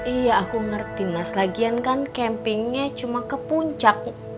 iya aku ngerti mas lagian kan campingnya cuma ke puncak